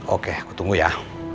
oke aku tunggu ya